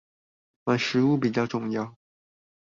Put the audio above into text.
買食物比較重要